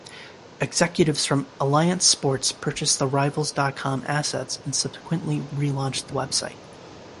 Executives from AllianceSports purchased the Rivals dot com assets and subsequently relaunched the website.